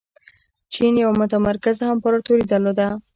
چین یوه متمرکزه امپراتوري درلوده.